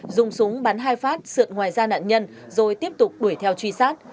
dùng súng bắn hai phát sượn ngoài da nạn nhân rồi tiếp tục đuổi theo truy sát